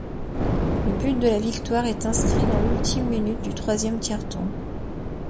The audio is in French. Le but de la victoire est inscrit dans l'ultime minute du troisième tiers-temps.